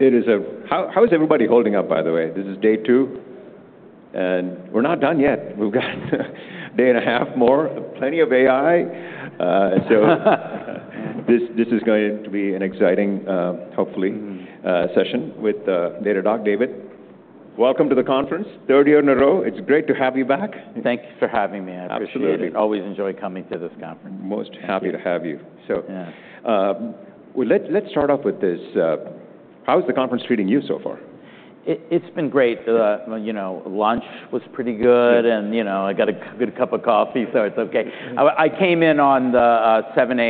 How is everybody holding up, by the way? This is day two, and we're not done yet. We've got a day and a half more, plenty of AI. So this is going to be an exciting, hopefully session with Datadog, David. Welcome to the conference, third year in a row. It's great to have you back. Thank you for having me. Absolutely. I appreciate it. Always enjoy coming to this conference. Most happy to have you. Yeah. So, well, let's start off with this. How is the conference treating you so far? It's been great. Well, you know, lunch was pretty good and, you know, I got a good cup of coffee, so it's okay. Mm. I came in on the 7:00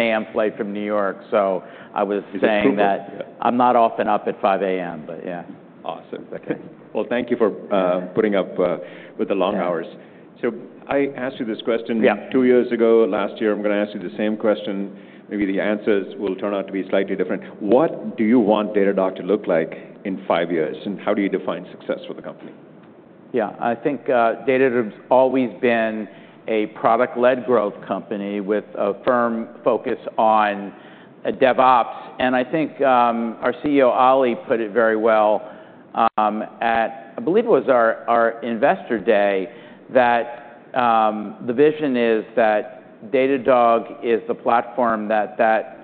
A.M. flight from New York, so I was saying that I'm not often up at 5:00 A.M., but yeah. Awesome. Okay. Yeah. Thank you for putting up with the long hours. Yeah. So I asked you this question- Yeah... two years ago, last year. I'm gonna ask you the same question. Maybe the answers will turn out to be slightly different. What do you want Datadog to look like in five years, and how do you define success for the company? Yeah. I think, Datadog's always been a product-led growth company with a firm focus on, DevOps, and I think, our CEO, Oli, put it very well, at, I believe it was our Investor Day, that, the vision is that Datadog is the platform that that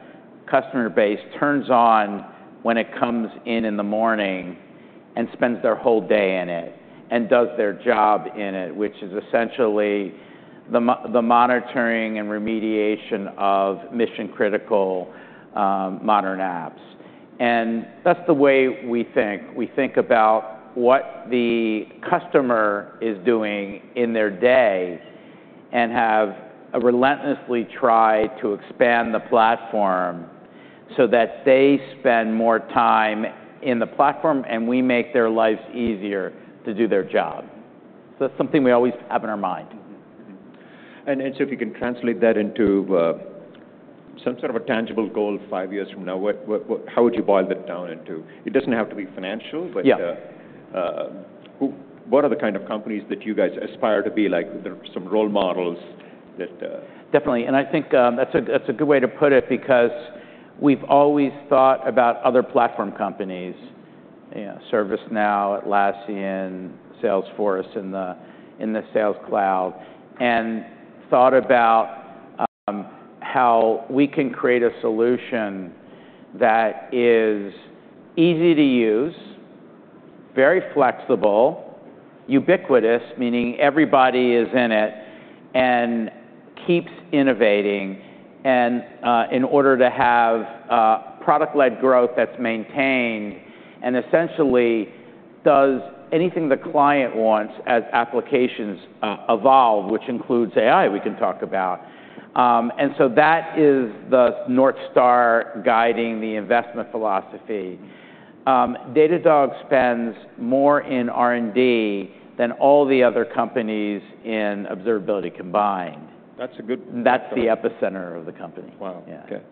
customer base turns on when it comes in in the morning and spends their whole day in it and does their job in it, which is essentially the monitoring and remediation of mission-critical, modern apps. And that's the way we think. We think about what the customer is doing in their day and have relentlessly try to expand the platform so that they spend more time in the platform, and we make their lives easier to do their job. So it's something we always have in our mind. Mm-hmm. Mm-hmm. And so if you can translate that into some sort of a tangible goal five years from now, what, how would you boil that down into, it doesn't have to be financial, but- Yeah... what are the kind of companies that you guys aspire to be like? There are some role models that, Definitely, and I think that's a good way to put it because we've always thought about other platform companies. Yeah, ServiceNow, Atlassian, Salesforce in the Sales Cloud, and thought about how we can create a solution that is easy to use, very flexible, ubiquitous, meaning everybody is in it, and keeps innovating, and in order to have product-led growth that's maintained and essentially does anything the client wants as applications evolve, which includes AI, we can talk about. So that is the North Star guiding the investment philosophy. Datadog spends more in R&D than all the other companies in observability combined. That's a good. That's the epicenter of the company. Wow! Yeah. Okay.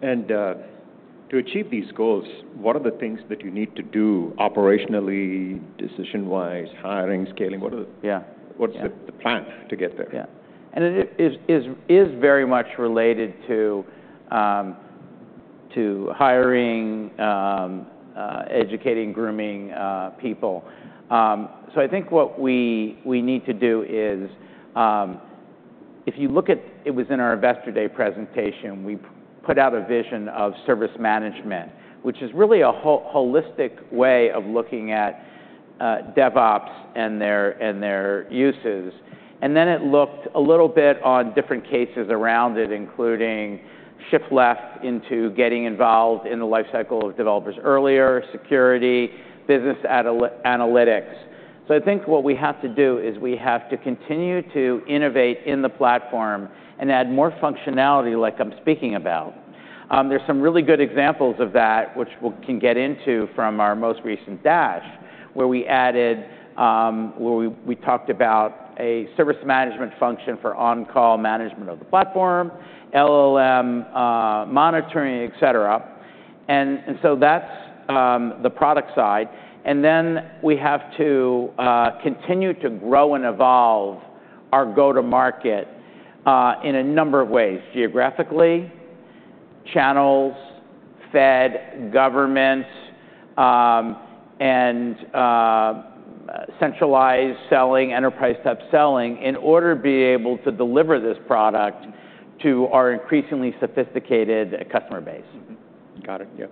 And to achieve these goals, what are the things that you need to do operationally, decision-wise, hiring, scaling? What are the- Yeah. What's the- Yeah... the plan to get there? Yeah. And it is very much related to hiring, educating, grooming people. So I think what we need to do is, if you look at it, it was in our Investor Day presentation. We put out a vision of service management, which is really a holistic way of looking at DevOps and their uses. And then it looked a little bit on different cases around it, including shift left into getting involved in the life cycle of developers earlier, security, business analytics. So I think what we have to do is we have to continue to innovate in the platform and add more functionality like I'm speaking about. There's some really good examples of that, which we can get into from our most recent Dash, where we added. Where we talked about a service management function for on-call management of the platform, LLM monitoring, et cetera. And so that's the product side, and then we have to continue to grow and evolve our go-to-market in a number of ways: geographically, channels, Fed, government, and centralized selling, enterprise upselling, in order to be able to deliver this product to our increasingly sophisticated customer base. Got it. Yeah.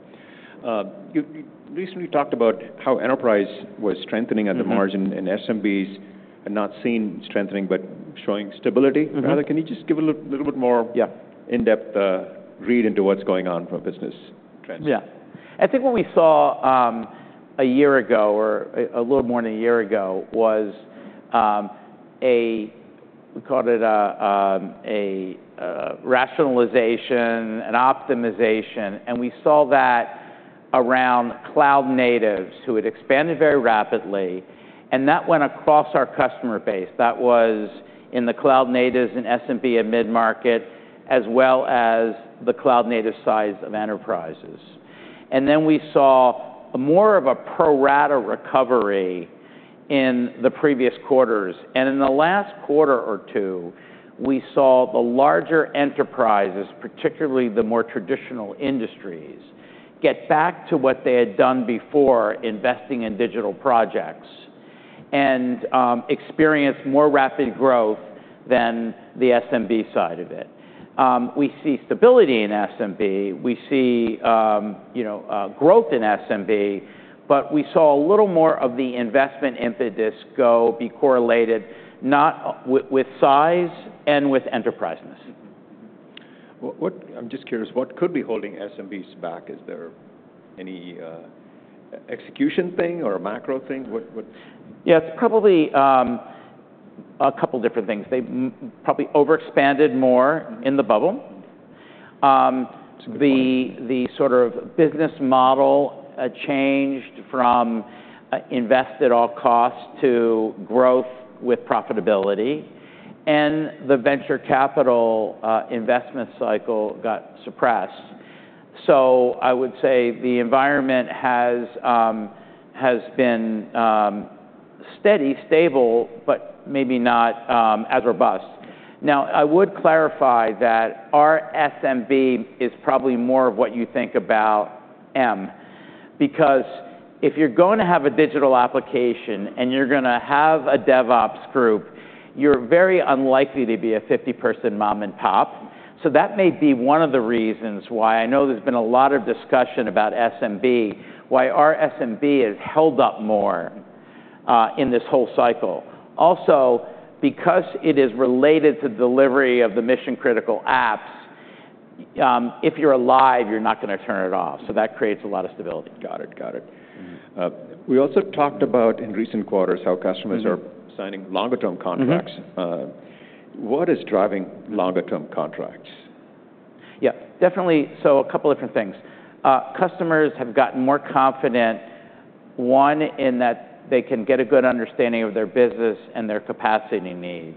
You recently talked about how enterprise was strengthening at the margin and SMBs are not seeing strengthening, but showing stability. Mm-hmm. Can you just give a little bit more in-depth read into what's going on from a business trends? Yeah. I think what we saw, a year ago, or a little more than a year ago, was, we called it a rationalization and optimization, and we saw that around cloud natives who had expanded very rapidly, and that went across our customer base. That was in the cloud natives, in SMB and mid-market, as well as the cloud-native side of enterprises. And then we saw more of a pro rata recovery in the previous quarters, and in the last quarter or two, we saw the larger enterprises, particularly the more traditional industries, get back to what they had done before, investing in digital projects, and experience more rapid growth than the SMB side of it. We see stability in SMB. We see, you know, growth in SMB, but we saw a little more of the investment impetus go be correlated, not with size and with enterpriseness. I'm just curious, what could be holding SMBs back? Is there any execution thing or a macro thing? What, what? Yeah, it's probably a couple different things. They probably overexpanded more in the bubble, the sort of business model changed from invest at all costs to growth with profitability, and the venture capital investment cycle got suppressed. So I would say the environment has been steady, stable, but maybe not as robust. Now, I would clarify that our SMB is probably more of what you think about SMB. Because if you're going to have a digital application, and you're gonna have a DevOps group, you're very unlikely to be a 50-person mom and pop. So that may be one of the reasons why I know there's been a lot of discussion about SMB, why our SMB has held up more in this whole cycle. Also, because it is related to delivery of the mission-critical apps, if you're alive, you're not gonna turn it off, so that creates a lot of stability. Got it, got it. We also talked about in recent quarters how customers are signing longer-term contracts. Mm-hmm. What is driving longer-term contracts? Yeah, definitely. So a couple different things. Customers have gotten more confident, one, in that they can get a good understanding of their business and their capacity needs,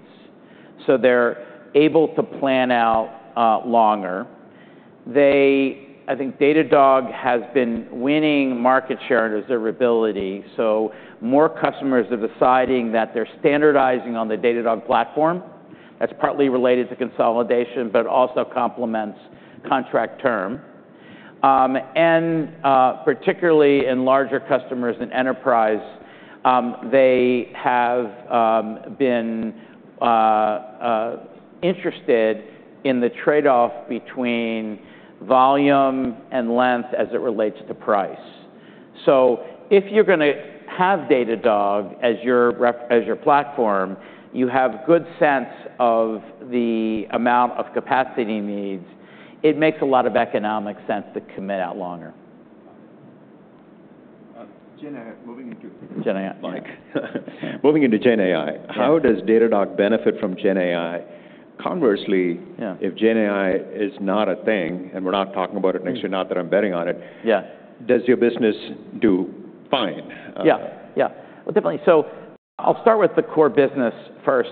so they're able to plan out longer. I think Datadog has been winning market share in observability, so more customers are deciding that they're standardizing on the Datadog platform. That's partly related to consolidation but also complements contract term. And, particularly in larger customers in enterprise, they have been interested in the trade-off between volume and length as it relates to price. So if you're gonna have Datadog as your platform, you have good sense of the amount of capacity needs, it makes a lot of economic sense to commit out longer. GenAI, moving into, GenAI. Yeah. Moving into GenAI. Yeah How does Datadog benefit from GenAI? Conversely, if GenAI is not a thing, and we're not talking about it next year, not that I'm betting on it- Yeah Does your business do fine? Yeah, yeah. Well, definitely. So I'll start with the core business first.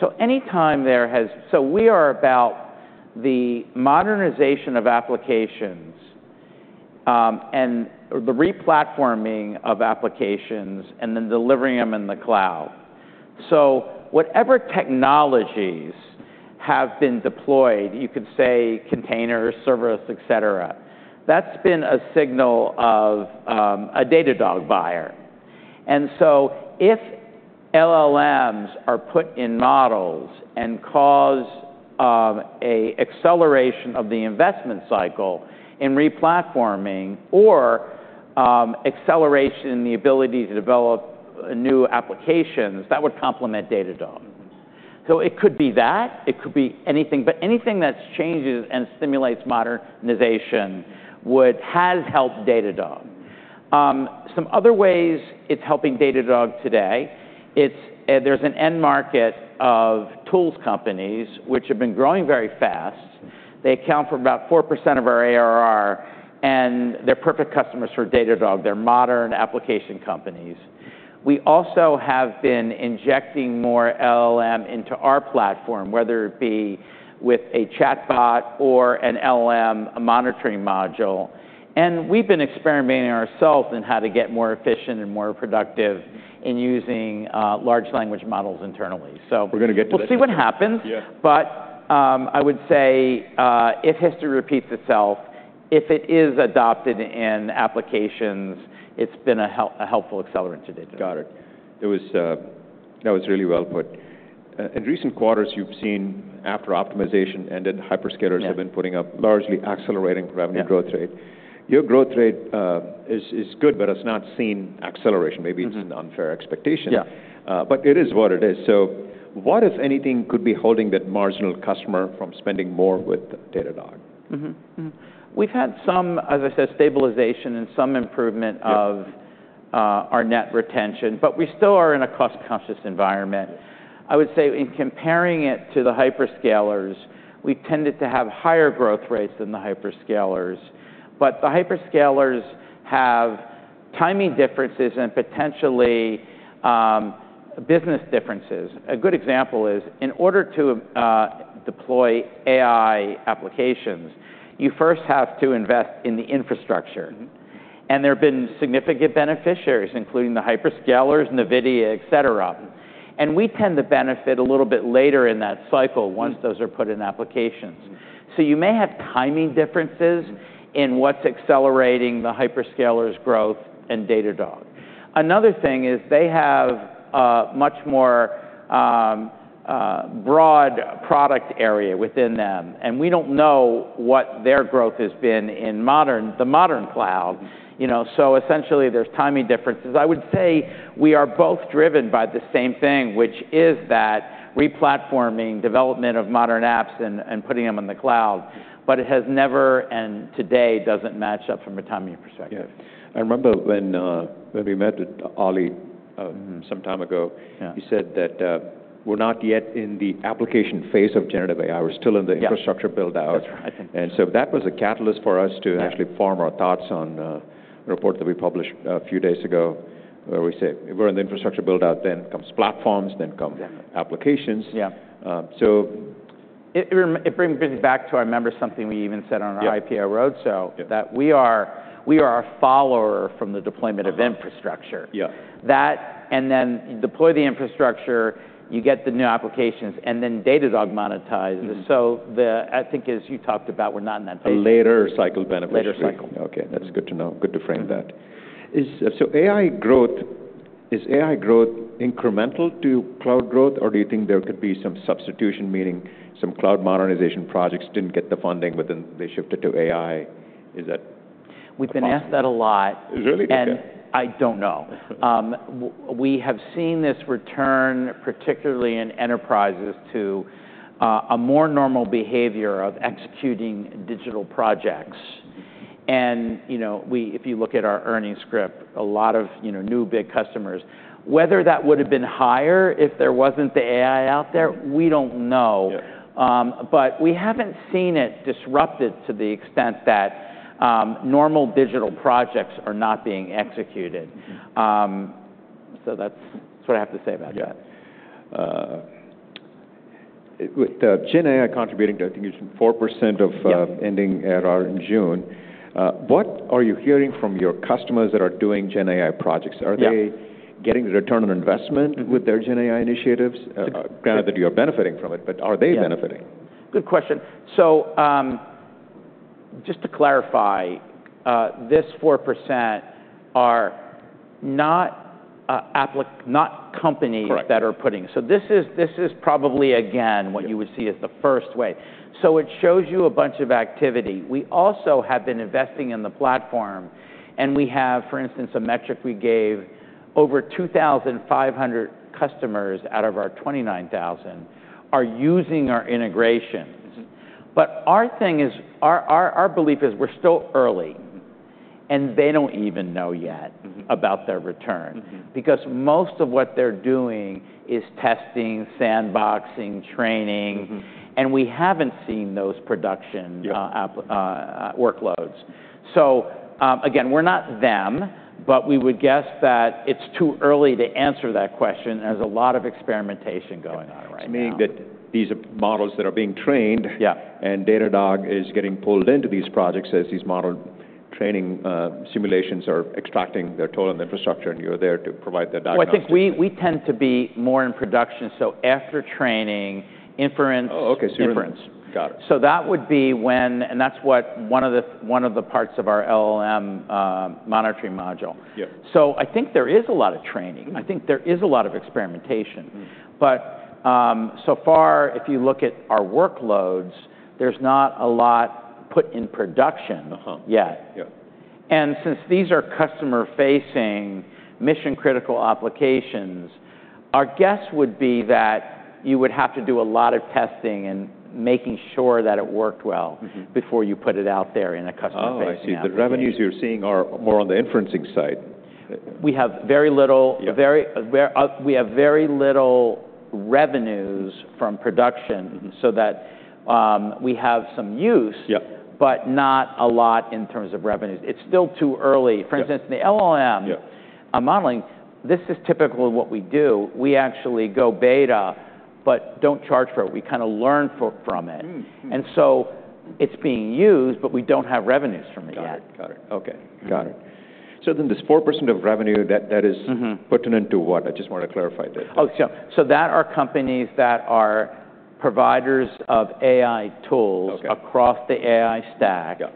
So we are about the modernization of applications, and the re-platforming of applications, and then delivering them in the cloud. So whatever technologies have been deployed, you could say containers, servers, et cetera, that's been a signal of a Datadog buyer. And so if LLMs are put in models and cause an acceleration of the investment cycle in re-platforming or acceleration in the ability to develop new applications, that would complement Datadog. So it could be that, it could be anything, but anything that changes and stimulates modernization would has helped Datadog. Some other ways it's helping Datadog today, there's an end market of tools companies which have been growing very fast. They account for about 4% of our ARR, and they're perfect customers for Datadog. They're modern application companies. We also have been injecting more LLM into our platform, whether it be with a chatbot or an LM, a monitoring module, and we've been experimenting ourselves on how to get more efficient and more productive in using large language models internally. So,- We're gonna get to that. We'll see what happens. Yeah. But, I would say, if history repeats itself, if it is adopted in applications, it's been a helpful accelerant to Datadog. Got it. It was. That was really well put. In recent quarters, you've seen, after optimization and then hyperscalers have been putting up largely accelerating revenue growth rate. Yeah. Your growth rate is good, but it's not seeing acceleration. Mm-hmm. Maybe it's an unfair expectation. Yeah But it is what it is. So what, if anything, could be holding that marginal customer from spending more with Datadog? Mm-hmm, mm. We've had some, as I said, stabilization and some improvement of our net retention, but we still are in a cost-conscious environment. I would say in comparing it to the hyperscalers, we tended to have higher growth rates than the hyperscalers, but the hyperscalers have timing differences and potentially, business differences. A good example is in order to deploy AI applications, you first have to invest in the infrastructure. Mm-hmm. There have been significant beneficiaries, including the hyperscalers, NVIDIA, et cetera. We tend to benefit a little bit later in that cycle once those are put in applications. So you may have timing differences in what's accelerating the hyperscalers' growth and Datadog. Another thing is they have a much more broad product area within them, and we don't know what their growth has been in the modern cloud. You know, so essentially there's timing differences. I would say we are both driven by the same thing, which is that replatforming, development of modern apps and putting them in the cloud, but it has never, and today, doesn't match up from a timing perspective. Yeah. I remember when we met with Oli, some time ago. Yeah He said that, we're not yet in the application phase of generative AI. We're still in the infrastructure build-out. That's right. And so that was a catalyst for us to actually form our thoughts on a report that we published a few days ago, where we say we're in the infrastructure build-out, then comes platforms, then come applications. Yeah. Um, so- It brings me back to. I remember something we even said on our IPO roadshow, that we are a follower from the deployment of infrastructure. Yeah. That, and then you deploy the infrastructure, you get the new applications, and then Datadog monetizes. So, I think as you talked about, we're not in that phase. A later cycle beneficiary. Later cycle. Okay, that's good to know. Good to find out. So, is AI growth incremental to cloud growth, or do you think there could be some substitution, meaning some cloud modernization projects didn't get the funding, but then they shifted to AI? Is that a possibility? We've been asked that a lot. Really? Okay. And I don't know. We have seen this return, particularly in enterprises, to a more normal behavior of executing digital projects. You know, we, if you look at our earnings script, a lot of, you know, new big customers. Whether that would've been higher if there wasn't the AI out there, we don't know. Yeah. But we haven't seen it disrupted to the extent that normal digital projects are not being executed. Mm. That's what I have to say about that. Yeah. With GenAI contributing to, I think you said 4% of ending ARR in June, what are you hearing from your customers that are doing GenAI projects? Are they getting return on investment with their GenAI initiatives? Granted that you're benefiting from it, but are they benefiting? Yeah. Good question. So, just to clarify, this 4% are not companies that are putting, so this is probably, again, what you would see as the first wave. So it shows you a bunch of activity. We also have been investing in the platform, and we have, for instance, a metric we gave, over 2,500 customers out of our 29,000 are using our integrations. Mm-hmm. But our thing is, our belief is we're still early. Mm-hmm. And they don't even know yet about their return. Mm-hmm. Because most of what they're doing is testing, sandboxing, training. Mm-hmm. And we haven't seen those production app workloads. So, again, we're not them, but we would guess that it's too early to answer that question. There's a lot of experimentation going on right now. Just meaning that these are models that are being traine and Datadog is getting pulled into these projects as these model training simulations are taxing their total infrastructure, and you're there to provide the diagnosis. I think we tend to be more in production, so after training, inference- Oh, okay. Inference. Got it. So that would be when... And that's what one of the parts of our LLM monitoring module. Yeah. So I think there is a lot of training. Mm. I think there is a lot of experimentation. Mm. But, so far, if you look at our workloads, there's not a lot put in production yet. Yeah. And since these are customer-facing, mission-critical applications, our guess would be that you would have to do a lot of testing and making sure that it worked well before you put it out there in a customer-facing application. Oh, I see. The revenues you're seeing are more on the inferencing side. We have very little, we have very little revenues from production, so that we have some use, but not a lot in terms of revenues. It's still too early. Yeah. For instance, the LLM modeling, this is typically what we do. We actually go beta, but don't charge for it. We kind of learn from it. Mm. Mm. And so it's being used, but we don't have revenues from it yet. Got it. Got it. Okay, got it. Mm-hmm. So then this 4% of revenue, that is pertinent to what? I just want to clarify that. Oh, so those are companies that are providers of AI tools across the AI stack. Yeah.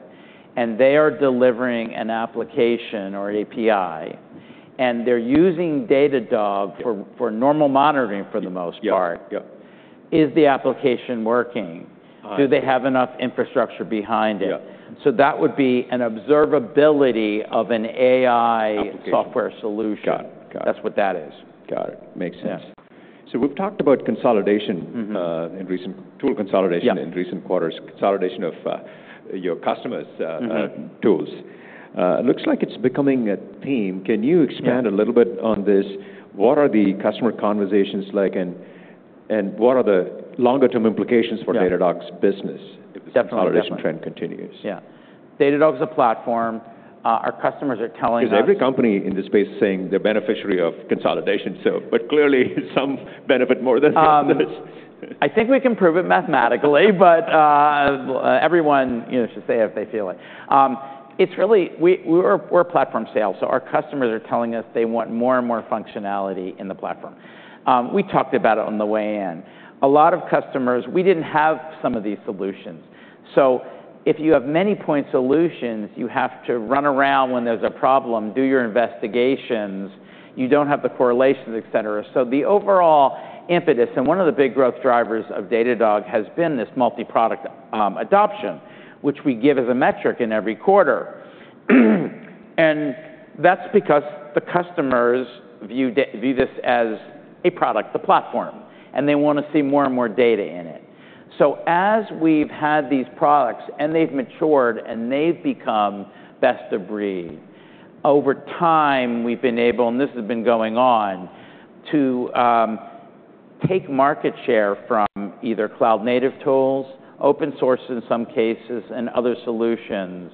And they are delivering an application or API, and they're using Datadog for normal monitoring for the most part. Yeah, yeah. Is the application working? Uh, yeah. Do they have enough infrastructure behind it? Yeah. So that would be an observability of an AI- Application... software solution. Got it. Got it. That's what that is. Got it. Makes sense. Yeah. So we've talked about consolidation in recent, tool consolidation in recent quarters, consolidation of, your customers' tools. It looks like it's becoming a theme. Yeah. Can you expand a little bit on this? What are the customer conversations like, and what are the longer term implications? Yeah For Datadog's business. Definitely, definitely. -If the consolidation trend continues? Yeah. Datadog's a platform. Our customers are telling us- 'Cause every company in this space is saying they're beneficiaries of consolidation, so but clearly some benefit more than others. I think we can prove it mathematically, but everyone, you know, should say it if they feel it. It's really we're a platform sell, so our customers are telling us they want more and more functionality in the platform. We talked about it on the way in. A lot of customers, we didn't have some of these solutions, so if you have many point solutions, you have to run around when there's a problem, do your investigations. You don't have the correlations, et cetera. So the overall impetus, and one of the big growth drivers of Datadog, has been this multi-product adoption, which we give as a metric in every quarter, and that's because the customers view this as a product, the platform, and they wanna see more and more data in it. So as we've had these products, and they've matured, and they've become best of breed, over time, we've been able, and this has been going on, to take market share from either cloud-native tools, open source in some cases, and other solutions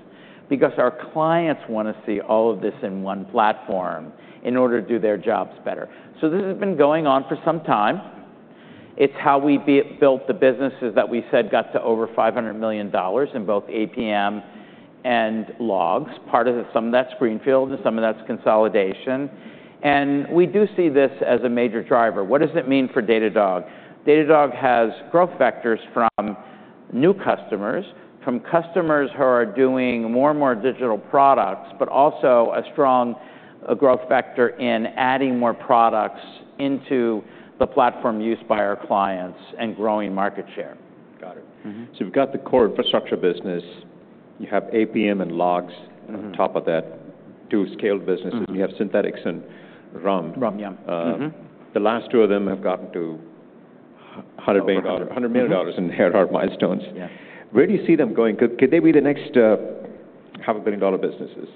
because our clients wanna see all of this in one platform in order to do their jobs better. So this has been going on for some time. It's how we built the businesses that we said got to over $500 million in both APM and Logs. Part of it, some of that's greenfield, and some of that's consolidation, and we do see this as a major driver. What does it mean for Datadog? Datadog has growth vectors from new customers, from customers who are doing more and more digital products, but also a strong growth vector in adding more products into the platform used by our clients and growing market share. Got it. Mm-hmm. So you've got the core infrastructure business. You have APM and Logs on top of that, two scaled businesses. Mm. You have Synthetics and RUM. RUM, yeah. Mm-hmm. The last two of them have gotten to- $100 million $100 million in annual milestones. Yeah. Where do you see them going? Could they be the next $0.5 billion businesses?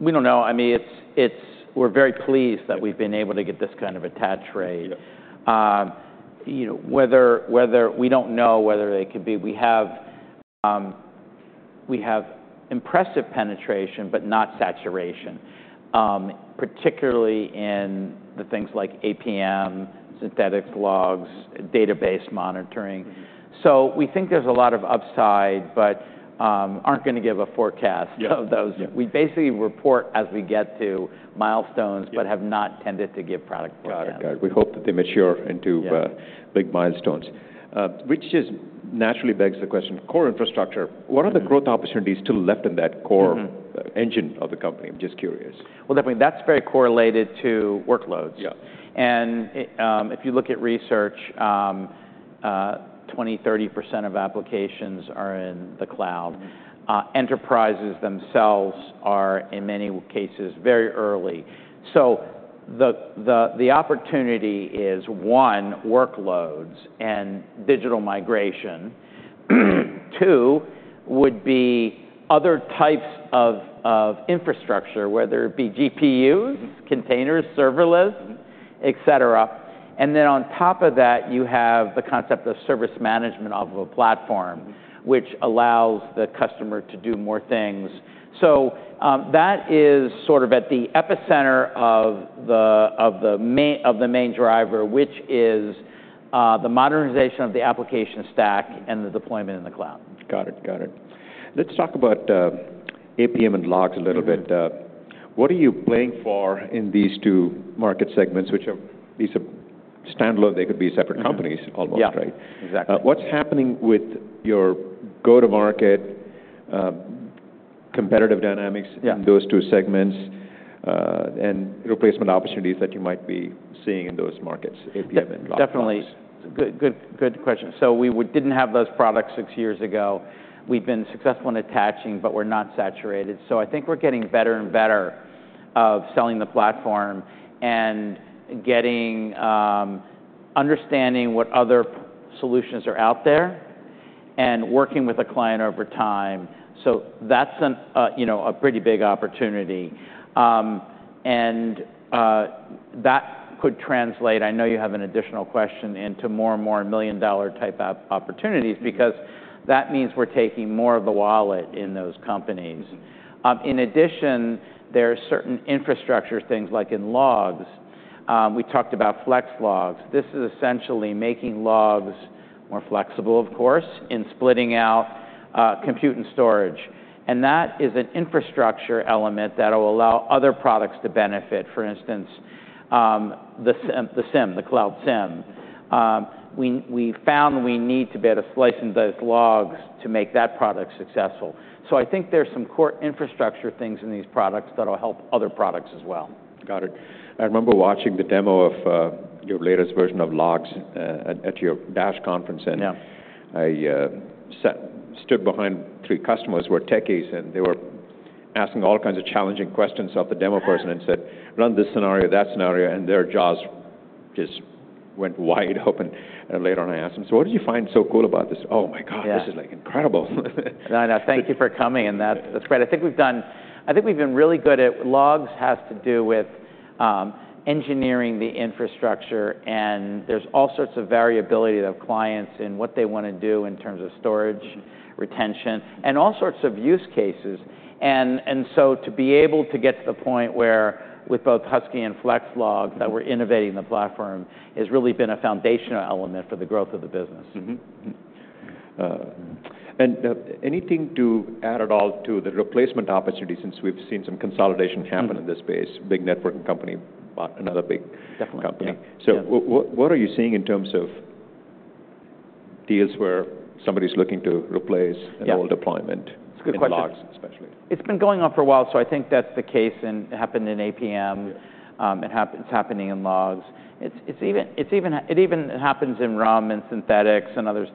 We don't know. I mean, it's, we're very pleased that we've been able to get this kind of attach rate. Yep. You know, whether we don't know whether they could be—We have impressive penetration, but not saturation. Particularly in the things like APM, Synthetics, Logs, database monitoring. Mm-hmm. So we think there's a lot of upside, but aren't gonna give a forecast of those. Yeah. We basically report as we get to milestones but have not tended to give product forecasts. Got it. We hope that they mature into, big milestones. Which just naturally begs the question, core infrastructure. Mm-hmm What are the growth opportunities still left in that core engine of the company? I'm just curious. Definitely, that's very correlated to workloads. Yeah. If you look at research, 20%-30% of applications are in the cloud. Enterprises themselves are, in many cases, very early. The opportunity is one, workloads and digital migration. Two, would be other types of infrastructure, whether it be GPUs, containers, serverless, et cetera. And then on top of that, you have the concept of service management off of a platform, which allows the customer to do more things. That is sort of at the epicenter of the main driver, which is the modernization of the application stack and the deployment in the cloud. Got it, got it. Let's talk about APM and Logs a little bit. Mm-hmm. What are you playing for in these two market segments, which are- these are standalone. They could be separate companies almost, right? Yeah, exactly. What's happening with your go-to-market, competitive dynamics in those two segments, and replacement opportunities that you might be seeing in those markets, APM and Logs? Definitely. Good question. So we didn't have those products six years ago. We've been successful in attaching, but we're not saturated, so I think we're getting better and better of selling the platform and getting understanding what other solutions are out there and working with a client over time. So that's, you know, a pretty big opportunity, and that could translate, I know you have an additional question, into more and more $1 million-dollar type opportunities because that means we're taking more of the wallet in those companies. Mm. In addition, there are certain infrastructure things like in Logs, we talked about Flex Logs. This is essentially making logs more flexible, of course, in splitting out, compute and storage, and that is an infrastructure element that will allow other products to benefit, for instance, the SIEM, the cloud SIEM. We found we need to be able to slice into those logs to make that product successful. So I think there's some core infrastructure things in these products that'll help other products as well. Got it. I remember watching the demo of your latest version of Logs at your Dash conference and I stood behind three customers who were techies, and they were asking all kinds of challenging questions of the demo person, and said, "Run this scenario, that scenario," and their jaws just went wide open, and later on I asked him, "So what did you find so cool about this?" "Oh, my God This is, like, incredible!". No, no, thank you for coming, and that's, that's great. I think we've been really good at logs, has to do with engineering the infrastructure, and there's all sorts of variability of clients and what they wanna do in terms of storage, retention, and all sorts of use cases. And so to be able to get to the point where, with both Husky and Flex Logs, that we're innovating the platform, has really been a foundational element for the growth of the business. And anything to add at all to the replacement opportunity, since we've seen some consolidation happen in this space? Big networking company bought another big company. Yeah. What are you seeing in terms of deals where somebody's looking to replace an old deployment- It's a good question.... in logs, especially. It's been going on for a while, so I think that's the case, and it happened in APM. Yeah. It's happening in logs. It even happens in RUM and Synthetics and others.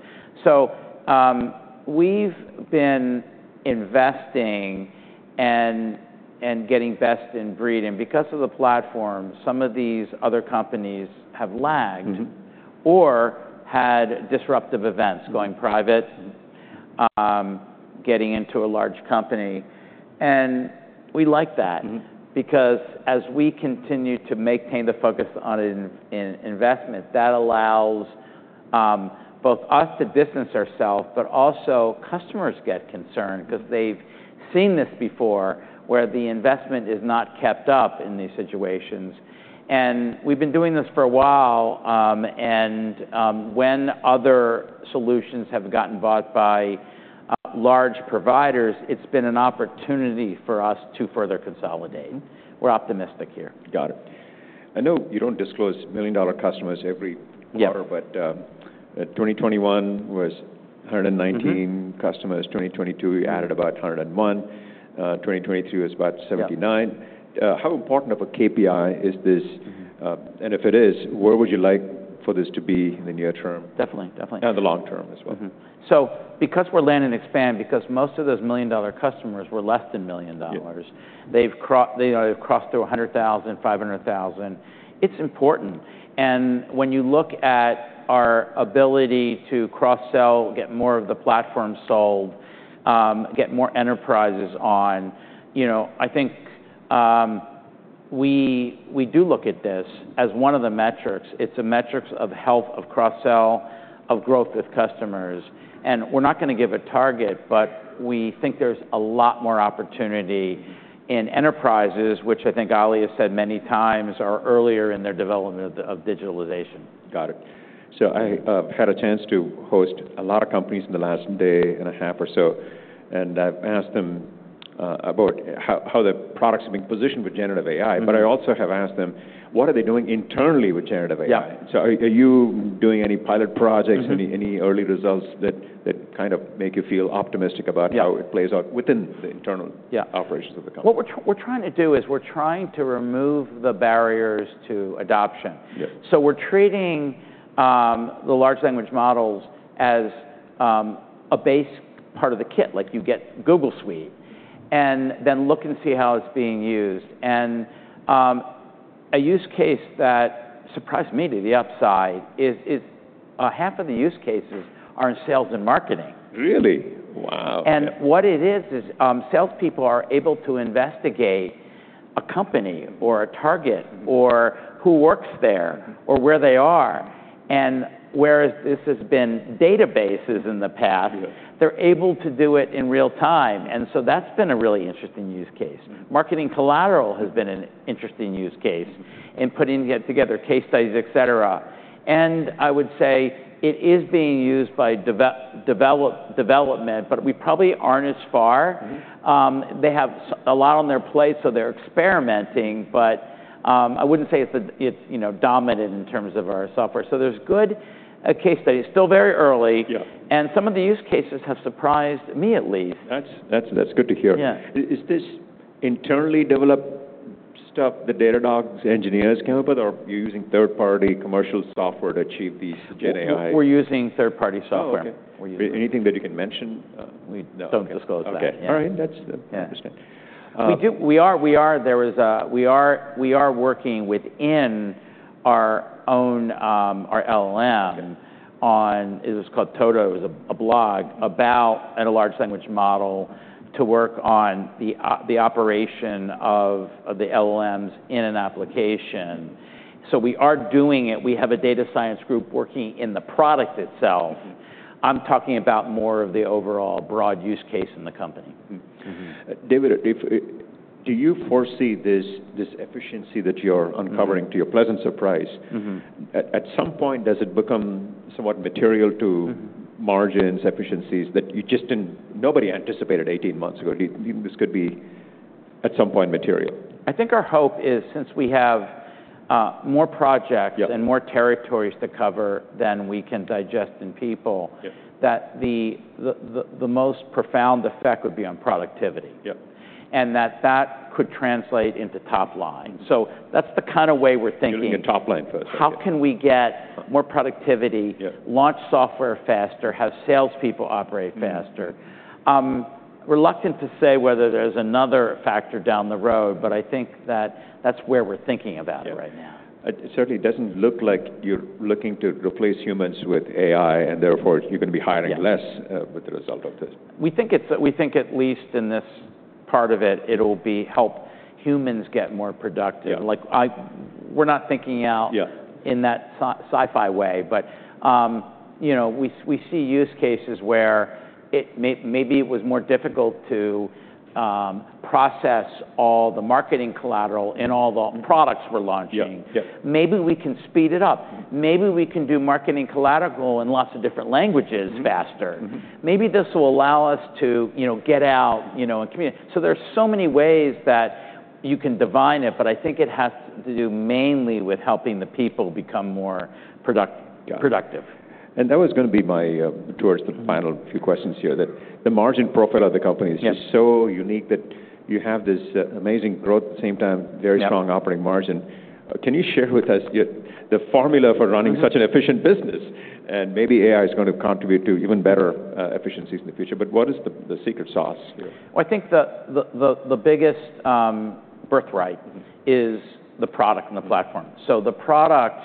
So, we've been investing and getting best in breed, and because of the platform, some of these other companies have lagged, or had disruptive events, going private, getting into a large company, and we like that, because as we continue to maintain the focus on investment, that allows both us to distance ourselves, but also customers get concerned 'cause they've seen this before, where the investment is not kept up in these situations. And we've been doing this for a while, when other solutions have gotten bought by large providers, it's been an opportunity for us to further consolidate. Mm. We're optimistic here. Got it. I know you don't disclose million-dollar customers every quarter, but, 2021 was 119 customers. 2022, you added about 101. 2022 is about 79. Yeah. How important of a KPI is this? Mm-hmm. And if it is, where would you like for this to be in the near term? Definitely. Definitely. The long term as well. Mm-hmm. So because we're land and expand, because most of those million-dollar customers were less than $1 million, they crossed to $100,000, $500,000. It's important, and when you look at our ability to cross-sell, get more of the platform sold, get more enterprises on, you know, I think, we do look at this as one of the metrics. It's a metrics of health, of cross-sell, of growth with customers, and we're not gonna give a target, but we think there's a lot more opportunity in enterprises, which I think Oli has said many times, are earlier in their development of digitalization. Got it. So I had a chance to host a lot of companies in the last day and a half or so, and I've asked them about how the products are being positioned with generative AI. Mm-hmm. But I also have asked them, what are they doing internally with generative AI? Yeah. So are you doing any pilot projects? Mm-hmm. Any early results that kind of make you feel optimistic about how it plays out within the internal operations of the company? What we're trying to do is remove the barriers to adoption. Yeah. So we're treating the large language models as a base part of the kit, like you get Google Suite, and then look and see how it's being used. And a use case that surprised me to the upside is half of the use cases are in sales and marketing. Really? Wow, yeah. And what it is, salespeople are able to investigate a company or a target or who works there or where they are, and whereas this has been databases in the past, they're able to do it in real time, and so that's been a really interesting use case. Mm. Marketing collateral has been an interesting use case in putting together case studies, et cetera. And I would say it is being used by development, but we probably aren't as far. Mm-hmm. They have a lot on their plate, so they're experimenting, but I wouldn't say it's a, it's, you know, dominant in terms of our software. So there's good case studies, still very early and some of the use cases have surprised me, at least. That's good to hear. Yeah. Is this internally developed stuff the Datadog's engineers came up with, or are you using third-party commercial software to achieve these gen AI? We're using third-party software. Oh, okay. We're using- Anything that you can mention? No, don't disclose that. Okay. Yeah. All right. That's understood. We are working within our own LLM on—it was called Toto. It was a blog about a large language model to work on the operation of the LLMs in an application. So we are doing it. We have a data science group working in the product itself. Mm-hmm. I'm talking about more of the overall broad use case in the company. Mm-hmm. Mm-hmm. David, do you foresee this efficiency that you're uncovering to your pleasant surprise. At some point, does it become somewhat material to margins, efficiencies that you just didn't, nobody anticipated eighteen months ago, this could be at some point material? I think our hope is, since we have more projects and more territories to cover than we can digest in people that the most profound effect would be on productivity. Yep. And that could translate into top line. So that's the kind of way we're thinking. Looking at top line first. Yeah. How can we get more productivity launch software faster, have salespeople operate faster? Mm. Reluctant to say whether there's another factor down the road, but I think that that's where we're thinking about it right now. Yeah. It certainly doesn't look like you're looking to replace humans with AI, and therefore, you're gonna be hiring less with the result of this. We think at least in this part of it, it'll be help humans get more productive. Yeah. Like, we're not thinking out in that sci-fi way, but, you know, we see use cases where it maybe was more difficult to process all the marketing collateral and all the products we're launching. Yeah. Yeah. Maybe we can speed it up. Maybe we can do marketing collateral in lots of different languages faster. Mm-hmm. Mm-hmm. Maybe this will allow us to, you know, get out, you know, so there are so many ways that you can divine it, but I think it has to do mainly with helping the people become more product- Got it -productive. That was gonna be my, towards the final few questions here, that the margin profit of the company is just so unique, that you have this, amazing growth, at the same time very strong operating margin. Can you share with us the formula for running such an efficient business? And maybe AI is gonna contribute to even better efficiencies in the future, but what is the secret sauce here? Well, I think the biggest birthright is the product and the platform. So the product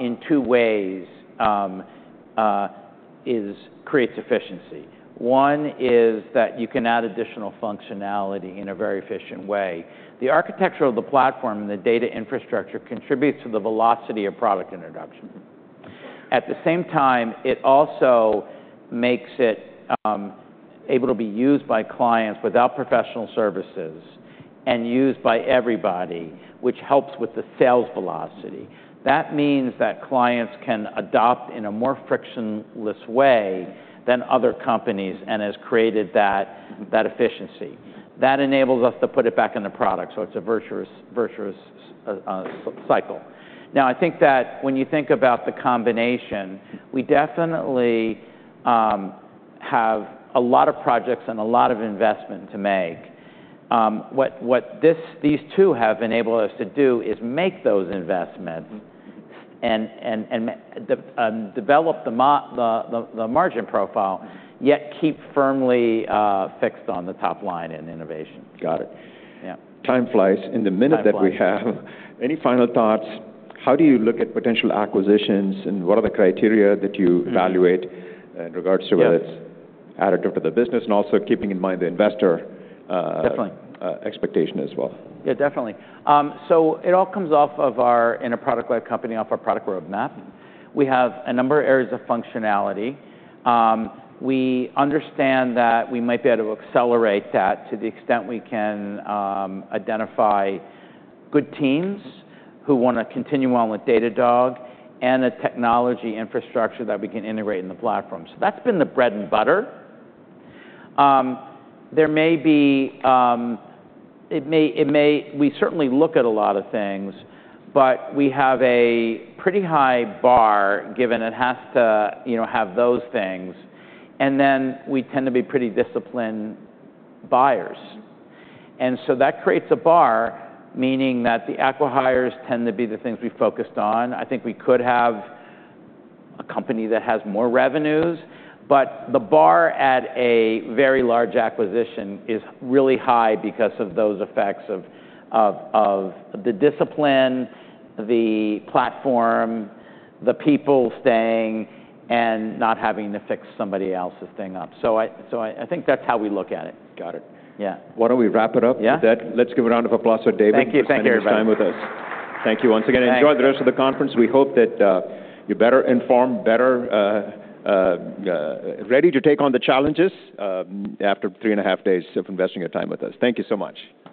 in two ways is creates efficiency. One is that you can add additional functionality in a very efficient way. The architecture of the platform and the data infrastructure contributes to the velocity of product introduction. At the same time, it also makes it able to be used by clients without professional services and used by everybody, which helps with the sales velocity. That means that clients can adopt in a more frictionless way than other companies, and has created that efficiency. That enables us to put it back in the product, so it's a virtuous cycle. Now, I think that when you think about the combination, we definitely have a lot of projects and a lot of investment to make. What these two have enabled us to do is make those investments and develop the margin profile, yet keep firmly fixed on the top line in innovation. Got it. Yeah. Time flies. Time flies. In the minute that we have, any final thoughts? How do you look at potential acquisitions, and what are the criteria that you evaluate in regards to whether it's additive to the business, and also keeping in mind the investor expectation as well? Yeah, definitely. So it all comes off of our, in a product-led company, off our product roadmap. We have a number of areas of functionality. We understand that we might be able to accelerate that to the extent we can identify good teams who wanna continue on with Datadog and the technology infrastructure that we can integrate in the platform. So that's been the bread and butter. There may be. We certainly look at a lot of things, but we have a pretty high bar, given it has to, you know, have those things, and then we tend to be pretty disciplined buyers. And so that creates a bar, meaning that the acqui-hires tend to be the things we focused on. I think we could have a company that has more revenues, but the bar at a very large acquisition is really high because of those effects of the discipline, the platform, the people staying, and not having to fix somebody else's thing up. So I think that's how we look at it. Got it. Yeah. Why don't we wrap it up- with that? Let's give a round of applause to David- Thank you. Thank you, everybody.... for spending his time with us. Thank you once again. Thanks. Enjoy the rest of the conference. We hope that you're better informed, ready to take on the challenges, after three and a half days of investing your time with us. Thank you so much.